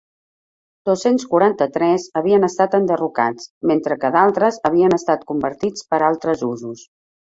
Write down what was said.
Dos-cents quaranta-tres havien estat enderrocats, mentre que d'altres havien estat convertits per altres usos.